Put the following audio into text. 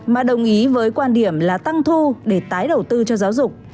mà đồng ý với quan điểm là tăng thu để tái đầu tư cho giáo dục